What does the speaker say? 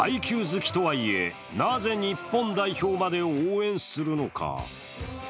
好きとはいえなぜ日本代表まで応援するのか？